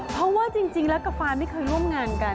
เพราะว่าจริงแล้วกับฟานไม่เคยร่วมงานกัน